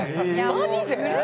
マジで？